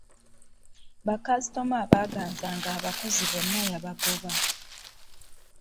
Bakasitoma abaaganzanga abakozi bonna yabagoba.